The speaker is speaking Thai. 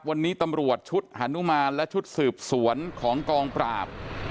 วันนี้ตำรวจชุดฮานุมานและชุดสืบสวนของกองปราบ